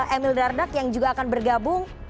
emil dardak yang juga akan bergabung